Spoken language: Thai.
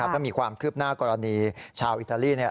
ก็มีความคืบหน้ากรณีชาวอิตาลี